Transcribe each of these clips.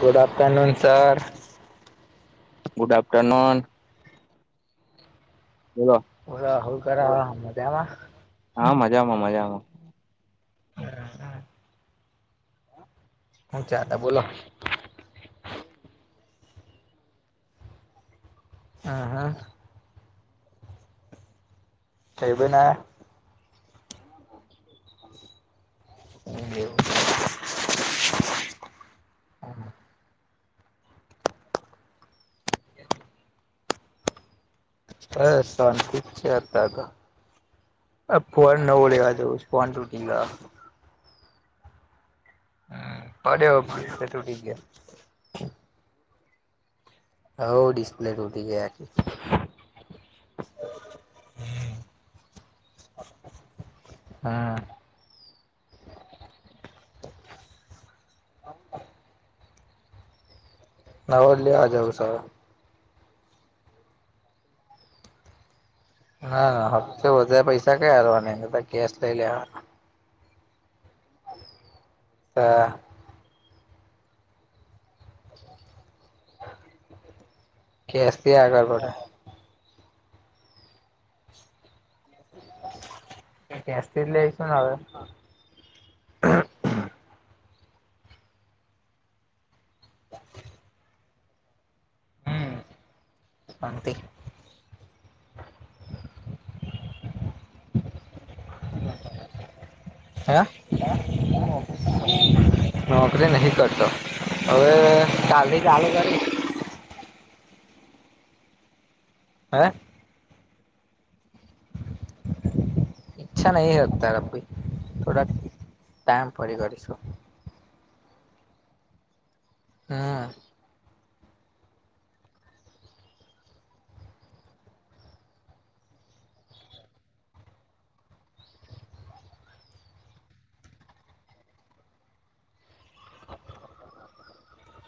Good afternoon sir. Good afternoon. બોલો. બોલા હું કરોરા મજામાં. હા મજામાં મજામાં. હું ચ અ બોલો. હા હા. તેજ બનાયા. એવું. હ શાંતિ છે અતાર તો. અ ફોન નવો લેવા જવો છે ફોન ટુટી ગયો. હમ પડયો ડિસપ્લે તુંટી ગયા. હવ ડિસપ્લે ટુટી ગયા. હા. નાવો લેવા જવઉ સે હવે. ના હપ્તો વધારે પૈસા કઈ આલવાને નતો કેશ લઈ લેવાનો. તો [inaudible] કેશ તી આગળ પડે. કેશ તી લેશું હવે. હમ શાંતિ. હા. નોકરી નહિ કરતો હવે કાલે ચાલુ કરીશ. હે. ઈચ્છા નહી હોતા ર ભી થોડા ટાઈમ પડી કરીશું. હા.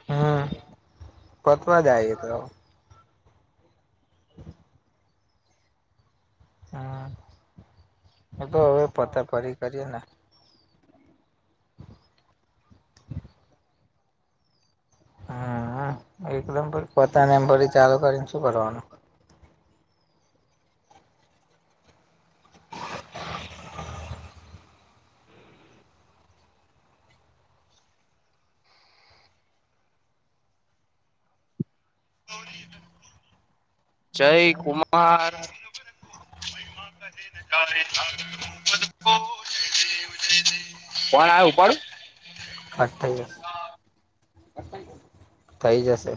હમ પતવા જ આયુ તો. હમ એ તો હવે પતે ફરી કરીએ ને. હમ એકદમ પણ પતાવીને ફરી ચાલુ કરીને શું કરવાનું હમ્મ. જય કુમાર. મહિમા કહે ના જાય ફોન આવે ઉપાડુ. આજ થઈ જશે. આજ થઈ જશે. થઈ જશે.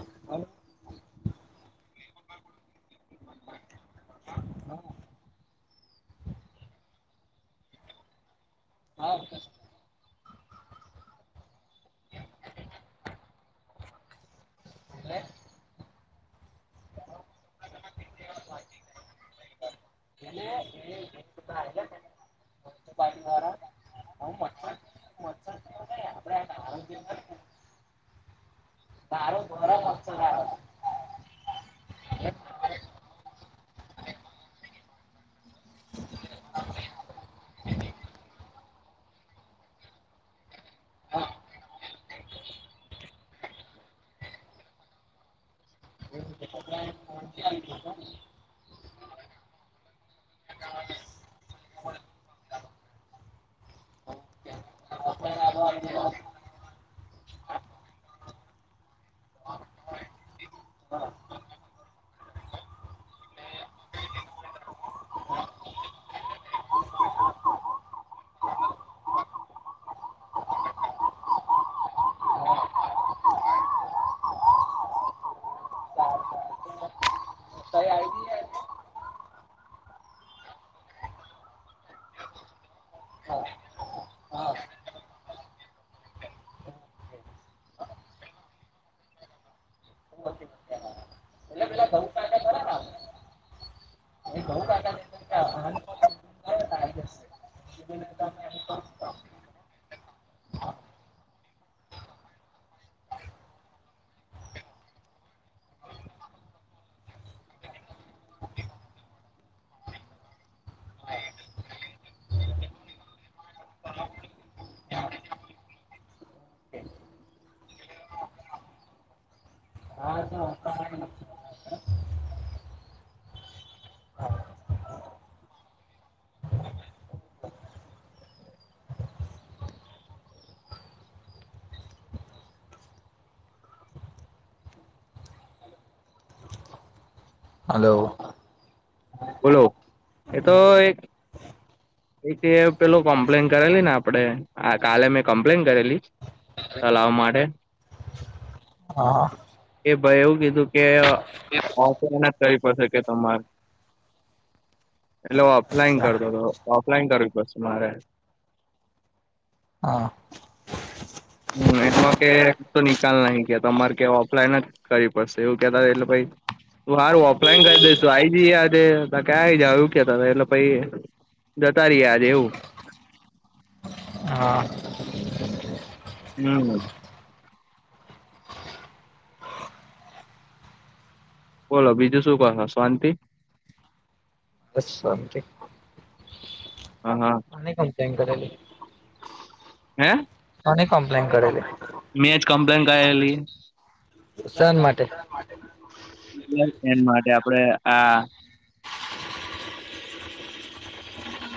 હાલો. બોલો એ તો એક. એ તે પેલો કોમ્પ્લેન કરેલીને આપડે અ કાલે મેં કમ્પ્લેન કરેલી. ચલાવવા માટે. હા. એ ભાઈ એવું કીધું કે ઓફલાઈન કરીવી પડશે કે તમારે. એટલે ઓફલાઈન કરતો તો ઓફલાઈન કરવી પડશે મારે. હા. હમ એમાં કે તો નિકાલ નહી કે તમારે કે ઓફલાઈન જ કરવી પડશે એવું કેતા એટલે ભાઈ હું સારું ઓફલાઈન કરી દઈશુ આઈ જઈ યાદે ક્યાં આઈ જાવ એવું કેતા તા એટલે પછ જતા રહીએ આજે એવું હા. હમ. બોલો બીજું શું કશો શાંતિ. બસ શાંતિ. હ હા. અને કોમ છે [unintelligible] હે. કોની કમ્પ્લેન કરેલી. મે જ કોમ્પલન કરેલી. શાન માટે. એન માટે આપડે આ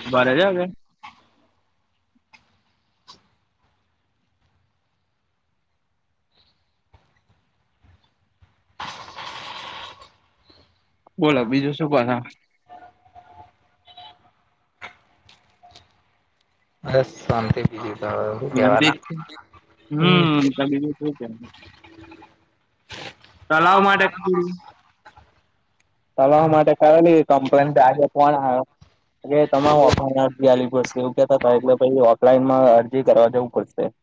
[unintelligible] આ ગયા. બોલો બીજું શું કો [unintelligible] શંતથી બીજું તો હવે હું શાંતિ કેવાના હમ્મ. હમ [unintelligible] [unintelligible] માટે તળાવ માટે કરેલી કમ્પ્લેનાગે આજે ફોન [unintelligible] એ તમારે ઓફલાઈન અરજી આવી પડશે એવું કેતા હતા એટલે ઓફલાઈનમાં અરજી કરવા જવું પડશે. [inaudible]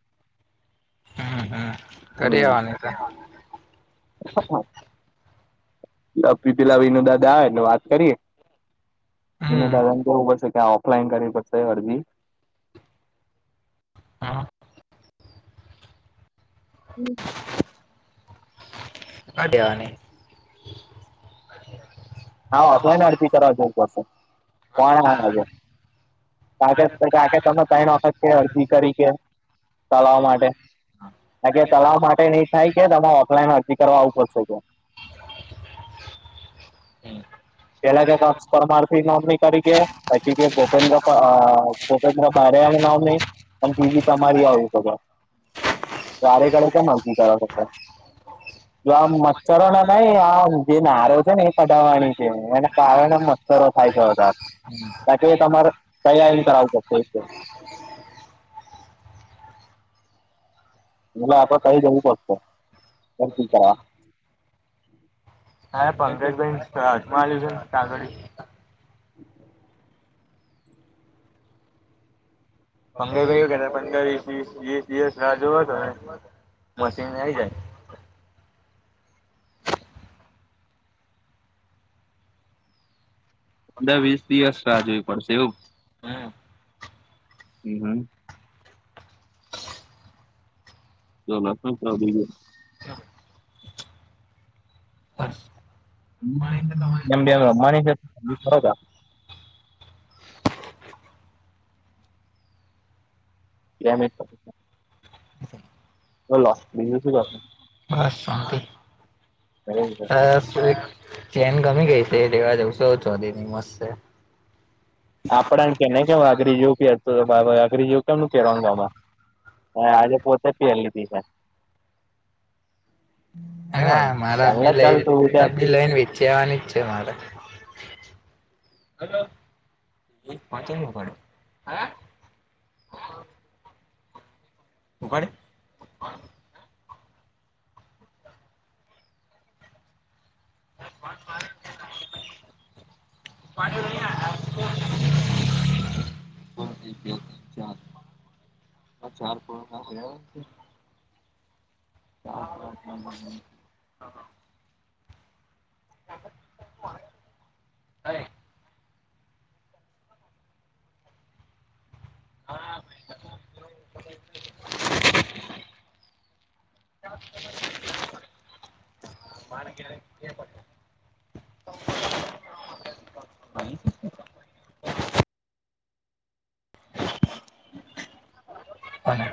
હમ્મ હમ્મ કરી આવવાની તે. [unintelligible] વિનો દાદા આવેને વાત કરીયે. એને હમ દાને કેવું પડશે કે આ ઓફલાઈન કરવી પડશે અરજી. હમ્મ. હા દેવાની. હા ઓફલાઈન અરજી કરાવો પડશે કોણ [unintelligible] કા [unintelligible] કે અરજી કરી કે ચલાવવા માટે. કા કે તળાવ માટે નઈ થાય કે તમારે ઓફલાઈન અરજી કરવા આવવું પડશે ત્યાં. પેલા કે [unintelligible] પરમારથી નોમની કરી કે પછી કે ગોપેન્દ્ર આ સ્વતંત્ર ભારે આવને આવ નહી પણ ટી બી તમારી આવી શકે. વારે ઘડે કેમ અરજી કરાવતા છે. જો આમ મચ્છરો ના નહીં આ [unintelligible] નારો છે ને એ કઢાવવાની. એના કારણે મચ્છરો થાય છે વધાર પછી તમારે ત્યાં આવીને કરાવો પડશે એટલે. એટલે આપે કહી દેવું પડશે અરજી કરવા. હા પંકજભાઈન રાજજમાલ્યું છે કંગળ [unintelligible] પંગર ક કે પંદર વ વીસ દિવસ રાહ જોવો હતો ને મશીન આઈ જાય. પંદર વીસ દિવસ રાહ જોવી પડશે એવું. હમ્મ. હમ્મ [unintelligible] [unintelligible] બસ કેમ બે રમવાની છે [unintelligible] બે મિનિટ બોલો બીજું શું કરો છો. બસ ફાઈન. એવું છે હ એક ચેન ગમી ગઈ છે એ લેવા જઉશો ચો દની મસ્ત છે. આપડને કે કે અગરી જેવું અગરી જેવું કેમ કેવામાં હ આજે પોતે પહેર લીધી છે. ચાલે ને ચાલ તું બજા એ લે ન [unintelligible] મારે. હલો. પાચ પડે હ કોને